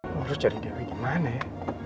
lu harus cari dewi gimana ya